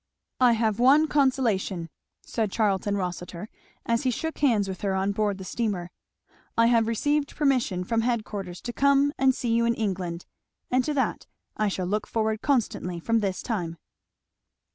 "I have one consolation," said Charlton Rossitur as he shook hands with her on board the steamer; "I have received permission, from head quarters, to come and see you in England; and to that I shall look forward constantly from this time."